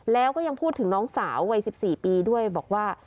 แล้วก็ยังพูดถึงน้องสาววัย๑๔ปีด้วยบอกว่า